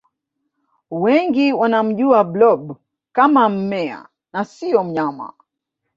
wengi wanamjua blob kama mmea na siyo mnyama